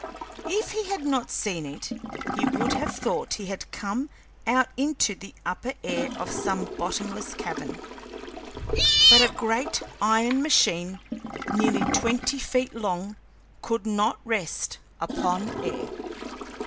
If he had not seen it, he would have thought he had come out into the upper air of some bottomless cavern. But a great iron machine nearly twenty feet long could not rest upon air!